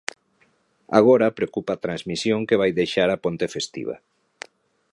Agora preocupa a transmisión que vai deixar a ponte festiva.